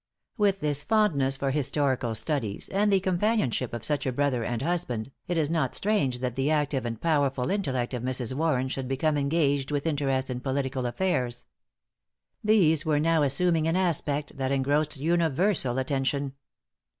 With this fondness for historical studies, and the companionship of such a brother and husband, it is not strange that the active and powerful intellect of Mrs. Warren should become engaged with interest in political affairs. These were now assuming an aspect that engrossed universal attention.